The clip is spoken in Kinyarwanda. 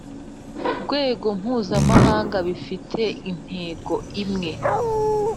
Rwego mpuzamahanga bifite intego imwe